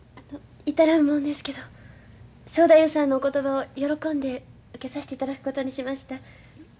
至らんもんですけど正太夫さんのお言葉を喜んで受けさしていただくことにしました。